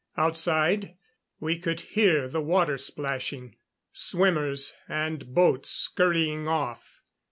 Outside, we could hear the water splashing. Swimmers and boats scurrying off.